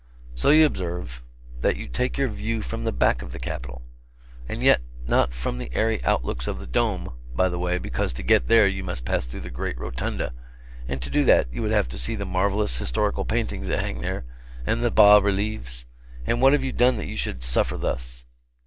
So you observe, that you take your view from the back of the capitol. And yet not from the airy outlooks of the dome, by the way, because to get there you must pass through the great rotunda: and to do that, you would have to see the marvelous Historical Paintings that hang there, and the bas reliefs and what have you done that you should suffer thus?